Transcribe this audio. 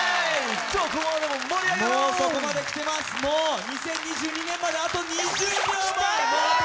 もうそこまできてます、２０２２年まであと２０秒。